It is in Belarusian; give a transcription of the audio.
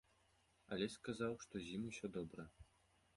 Алесь сказаў, што з ім усё добра.